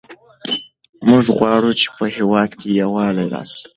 موږ غواړو چې په هېواد کې یووالی راسي.